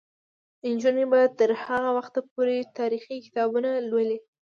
نجونې به تر هغه وخته پورې تاریخي کتابونه لولي.